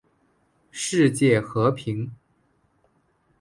世界和平